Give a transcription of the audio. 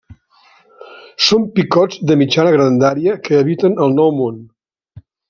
Són picots de mitjana grandària que habiten al Nou Món.